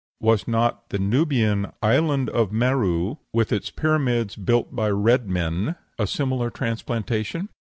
Was not the Nubian "Island of Merou," with its pyramids built by "red men," a similar transplantation?